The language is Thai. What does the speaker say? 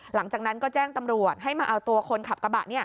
หลังจากนั้นก็แจ้งตำรวจให้มาเอาตัวคนขับกระบะ